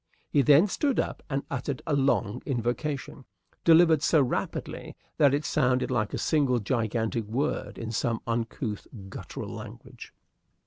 He then stood up and uttered a long invocation, delivered so rapidly that it sounded like a single gigantic word in some uncouth guttural language.